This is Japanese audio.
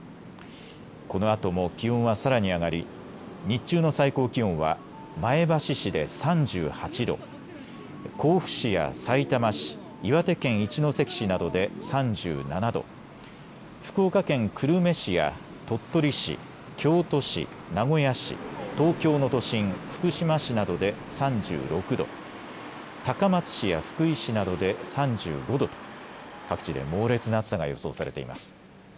このあとも気温はさらに上がり日中の最高気温は前橋市で３８度、甲府市やさいたま市、岩手県一関市などで３７度、福岡県久留米市や鳥取市、京都市、名古屋市、東京の都心、福島市などで３６度、高松市や福井市などで３５度と各地で猛烈な暑さが予想されています。